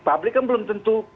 publik kan belum tentu